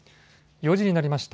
４時になりました。